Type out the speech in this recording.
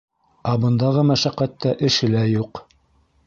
Ә бындағы мәшәҡәттә эше лә юҡ!